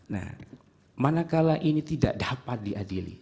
nah manakala ini tidak dapat diadili